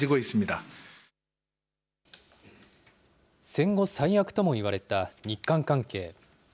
戦後最悪とも言われた日韓関係。